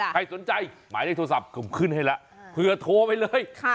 ใครสนใจหมายเลขโทรศัพท์ผมขึ้นให้แล้วเผื่อโทรไปเลย